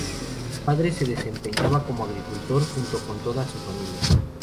Su padre se desempeñaba como agricultor junto con toda su familia.